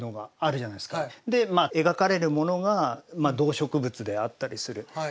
でまあ描かれるものが動植物であったりする。